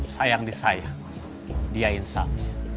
sayang di saya dia insang